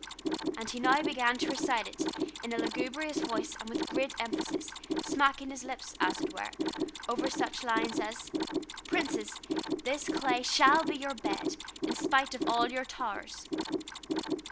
And he now began to recite it in a lugubrious voice and with great emphasis, smacking his lips, as it were, over such lines as "Princes, this clay shall be your bed, In spite of all your towers."